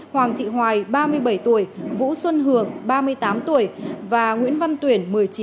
hoàng thị hoài ba mươi bảy tuổi vũ xuân hường ba mươi tám tuổi và nguyễn văn tuyển một mươi chín tuổi